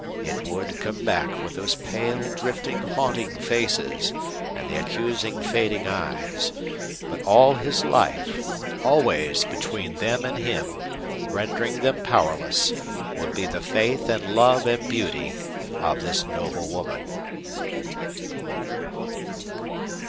It would come back with those pale, drifting, haunting faces and the accusing fading eyes, but all his life, always between them and him, rendering them powerless, would be the faith and love and beauty of this noble woman.